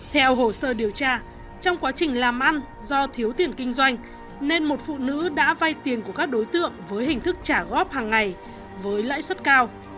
theo hồ sơ điều tra trong quá trình làm ăn do thiếu tiền kinh doanh nên một phụ nữ đã vay tiền của các đối tượng với hình thức trả góp hàng ngày với lãi suất cao